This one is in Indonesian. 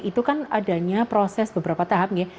itu kan adanya proses beberapa tahap ya